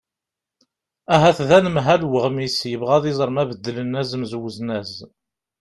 ahat d anemhal n uɣmis yebɣa ad iẓer ma beddlen azemz n uzmaz